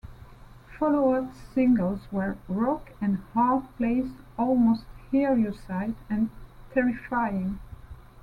Follow-up singles were "Rock and a Hard Place", "Almost Hear You Sigh" and "Terrifying".